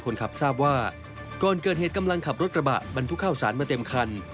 คนขับทราบว่าก่อนเกิดเหตุกำลังขับรถกระบะบรรทุกข้าวสารมาเต็มคัน